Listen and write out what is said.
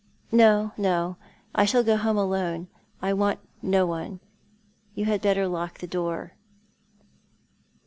"No, no, I' shall go home alone. I want no one. You had better lock the door."